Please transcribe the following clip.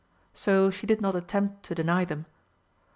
So she did not attempt to deny them.